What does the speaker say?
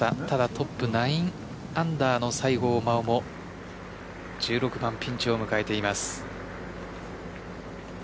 ただ、トップ９アンダーの西郷真央も１６番、ピンチを迎えています。